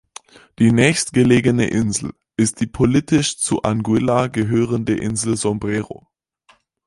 Die nächstgelegene Insel ist die politisch zu Anguilla gehörende Insel Sombrero.